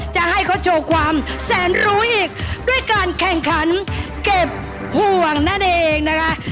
จะให้เขาโชว์ความแสนรู้อีกด้วยการแข่งขันเก็บห่วงนั่นเองนะคะ